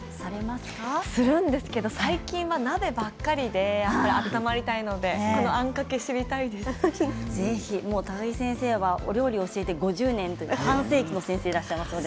するんですけど最近は鍋ばかりで温まりたいので高城先生はお料理を教えて５０年半世紀の先生でいらっしゃいますので。